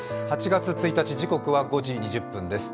８月１日、時刻は５時２０分です。